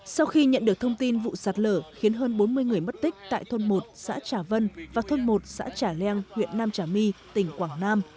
sau khi nhận được thông tin vụ sạt lở khiến hơn bốn mươi người mất tích tại thôn một xã trà vân và thôn một xã trà leng huyện nam trà my tỉnh quảng nam